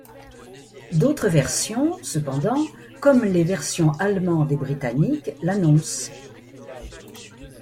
D'autres versions, cependant, comme les versions allemandes et britanniques, l'annoncent.